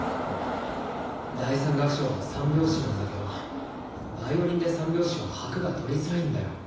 第３楽章は３拍子なんだけどヴァイオリンで３拍子は拍が取りづらいんだよ。